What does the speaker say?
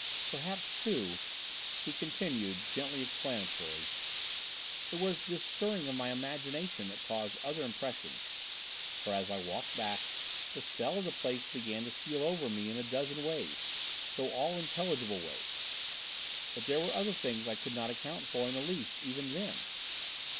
Perhaps, too," he continued, gently explanatory, "it was this stirring of my imagination that caused other impressions; for, as I walked back, the spell of the place began to steal over me in a dozen ways, though all intelligible ways. But there were other things I could not account for in the least, even then."